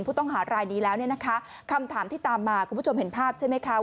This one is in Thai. ผู้ต้องหารายนี้แล้วเนี่ยนะคะคำถามที่ตามมาคุณผู้ชมเห็นภาพใช่ไหมคะ